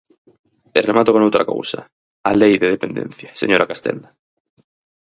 E remato con outra cousa: a Lei de dependencia, señora Castenda.